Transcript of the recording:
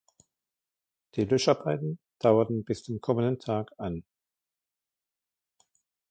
Die Löscharbeiten dauerten bis zum kommenden Tag an.